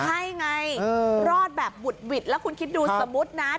ใช่ไงรอดแบบบุดหวิดแล้วคุณคิดดูสมมุตินะ